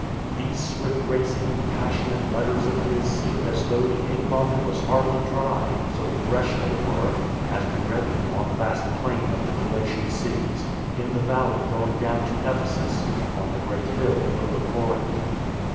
These swift racing, passionate letters of his seemed as though the ink on them was hardly dry — so fresh they were — as we read them on the vast plain of the Galatian cities, in the valley going down to Ephesus, on the great hill over Corinth.